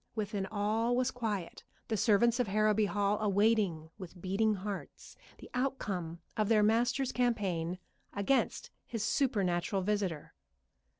Within all was quiet, the servants of Harrowby Hall awaiting with beating hearts the outcome of their master's campaign against his supernatural visitor.